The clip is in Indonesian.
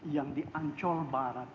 yang di ancol barat